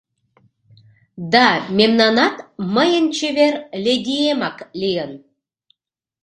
Да мемнанат «Мыйын чевер ледиемак» лийын.